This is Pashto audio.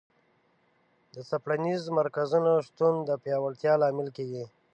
د څېړنیزو مرکزونو شتون د پیاوړتیا لامل کیږي.